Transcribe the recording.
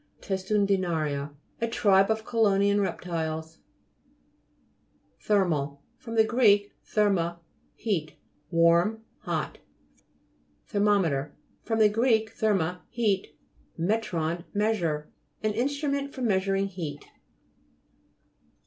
TESTUDINA'RIA A tribe of chelonian reptiles. THE'RMAL fr. gr. therme, heat. Warm, hot. THE'RMOMETER fr. gr. therme, heat, metron, measure. An instrument for measuring heat.